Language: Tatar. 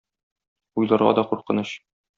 Уйларга да куркыныч.